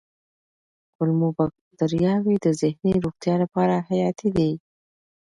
کولمو بکتریاوې د ذهني روغتیا لپاره حیاتي دي.